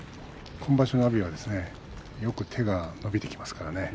今場所、阿炎はよく手が伸びてきますからね。